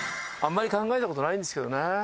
あんまり考えた事ないんですけどね。